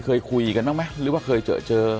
เคยคุยกันบ้างไหมหรือว่าเคยเจอเจอ